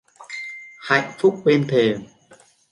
Hạnh phúc bên thềm